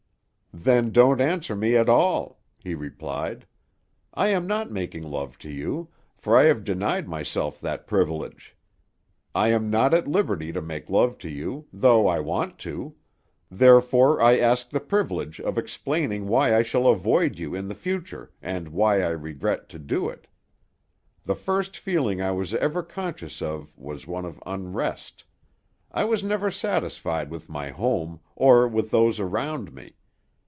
"Then don't answer me at all," he replied. "I am not making love to you, for I have denied myself that privilege. I am not at liberty to make love to you, though I want to; therefore I ask the privilege of explaining why I shall avoid you in the future, and why I regret to do it. The first feeling I was ever conscious of was one of unrest; I was never satisfied with my home, or with those around me.